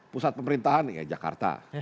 pusat pemerintahan ya jakarta